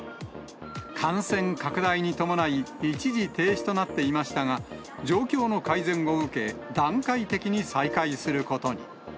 感染拡大に伴い、一時停止となっていましたが、状況の改善を受け、段階的に再開することに。